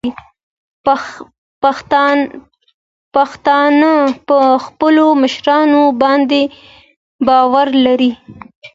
پښتانه په خپلو مشرانو باندې باور لري.